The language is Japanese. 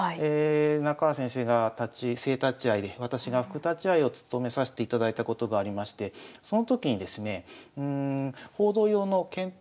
中原先生が正立会で私が副立会を務めさせていただいたことがありましてその時にですね報道用の検討